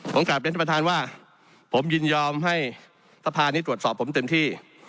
ผมกลับเรียนท่านประธานว่าผมยินยอมให้สภานี้ตรวจสอบผมเต็มที่